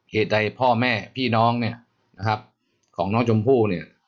เหตุใดพ่อแม่พี่น้องของน้องจมภู่